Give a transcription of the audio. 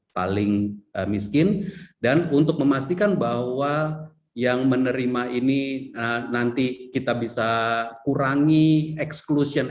paling miskin dan untuk memastikan bahwa yang menerima ini nanti kita bisa kurangi exclusion